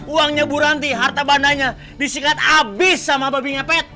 uangnya bu ranti harta bandanya disikat abis sama babi ngepet